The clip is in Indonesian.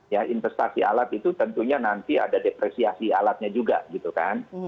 ya investasi alat itu tentunya nanti ada depresiasi alatnya juga gitu kan